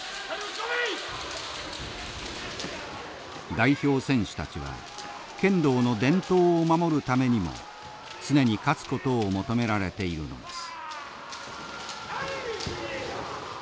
代表選手たちは剣道の伝統を守るためにも常に勝つことを求められているのです。